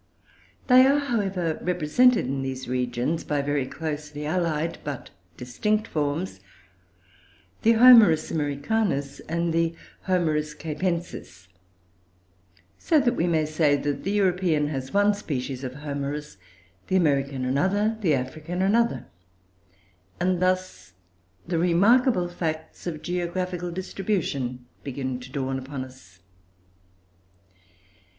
They are, however, represented in these regions by very closely allied, but distinct forms the Homarus Americanus and the Homarus Capensis: so that we may say that the European has one species of Homuarus; the American, another; the African, another; and thus the remarkable facts of geographical distribution begin to dawn upon us.